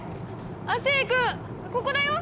亜生君ここだよ！